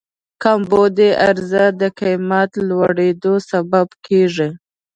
کمبود عرضه د قیمت لوړېدو سبب کېږي.